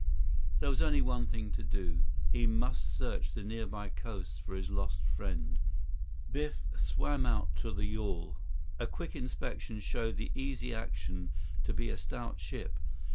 There was only one thing to do. He must search the nearby coast for his lost friend. 119 Biff swam out to the yawl. A quick inspection showed the Easy Action to be a stout ship.